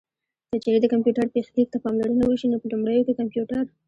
که چېرې د کمپيوټر پيښليک ته پاملرنه وشي نو په لومړيو کې کمپيوټر